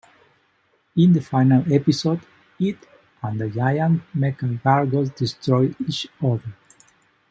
In the final episode, it and the giant mecha Gargos destroy each other.